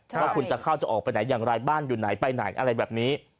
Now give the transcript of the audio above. ว่าคุณจะเข้าจะออกไปไหนอย่างไรบ้านอยู่ไหนไปไหนอะไรแบบนี้